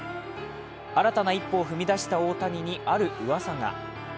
新たな一歩を踏み出した大谷にあるうわさが。